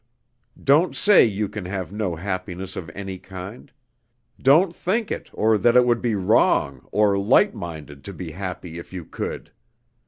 Don't say you can have no happiness of any kind. Don't think it, or that it would be 'wrong' or light minded to be happy if you could.